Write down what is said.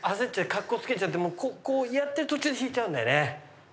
かっこつけちゃってもうこうやってる途中で引いちゃうんだよね。